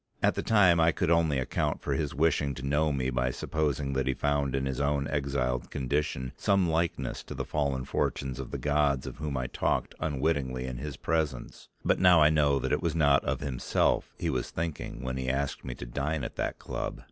At the time I could only account for his wishing to know me by supposing that he found in his own exiled condition some likeness to the fallen fortunes of the gods of whom I talked unwitting of his presence; but now I know that it was not of himself he was thinking when he asked me to dine at that club.